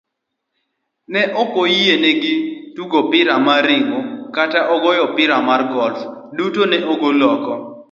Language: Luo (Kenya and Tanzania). Ne okoyienegi tugoopira mar ringo, kata goyo opira mar golf, duto ne ogol oko